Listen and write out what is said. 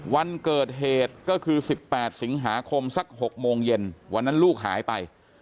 วันเกิดเหตุก็คือ๑๘สิงหาคมสัก๖โมงเย็นวันนั้นลูกหายไป